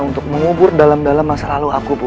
untuk mengubur dalam dalam masa lalu aku ibu